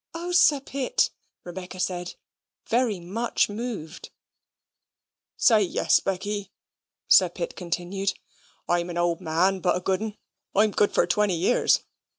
"Oh, Sir Pitt!" Rebecca said, very much moved. "Say yes, Becky," Sir Pitt continued. "I'm an old man, but a good'n. I'm good for twenty years.